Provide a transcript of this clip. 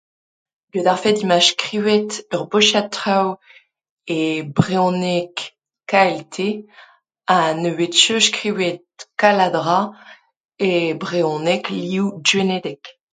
get ar fed emañ skrivet ur bochad traoù e brezhoneg KLT ha ne vez ket skrivet kalz a dra e brezhoneg liv gwenedeg.